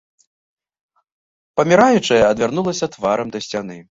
Паміраючая адвярнулася тварам да сцяны.